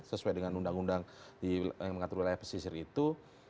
sesuai dengan undang undang yang mengatur wilayah pesisir itu